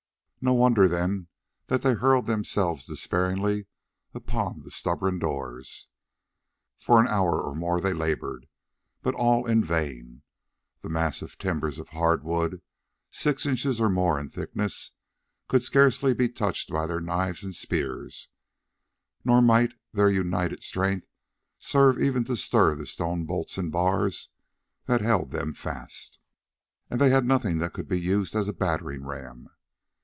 No wonder, then, that they hurled themselves despairingly upon the stubborn doors. For an hour or more they laboured, but all in vain. The massive timbers of hard wood, six inches or more in thickness, could scarcely be touched by their knives and spears, nor might their united strength serve even to stir the stone bolts and bars that held them fast, and they had nothing that could be used as a battering ram.